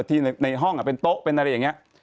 ที่ในห้องเป็นโต๊ะเป็นอะไรอย่างนี้